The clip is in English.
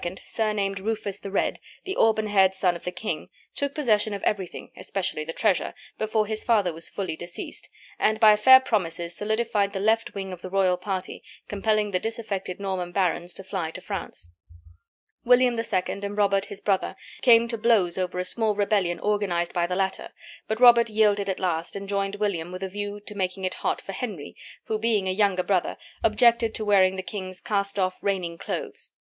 surnamed "Rufus the Red," the auburn haired son of the king, took possession of everything especially the treasure before his father was fully deceased, and by fair promises solidified the left wing of the royal party, compelling the disaffected Norman barons to fly to France. William II. and Robert his brother came to blows over a small rebellion organized by the latter, but Robert yielded at last, and joined William with a view to making it hot for Henry, who, being a younger brother, objected to wearing the king's cast off reigning clothes.